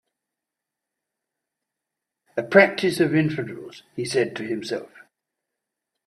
"A practice of infidels," he said to himself.